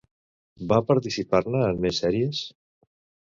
Va participar-ne en més sèries?